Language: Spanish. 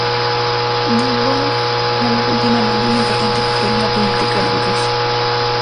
Nóvgorod jugó continuamente un importante papel en la política del Rus.